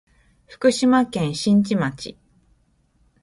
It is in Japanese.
福島県新地町